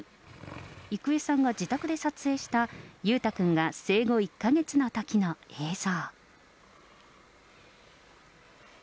郁恵さんが自宅で撮影した裕太君が生後１か月のときの映像。